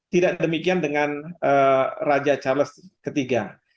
tidak demikian dengan raja charles iii